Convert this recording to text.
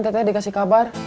kapan teteh dikasih kabar